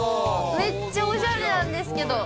めっちゃおしゃれなんですけど。